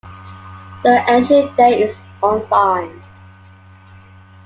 The entry there is unsigned.